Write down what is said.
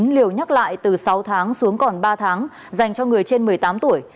chín liều nhắc lại từ sáu tháng xuống còn ba tháng dành cho người trên một mươi tám tuổi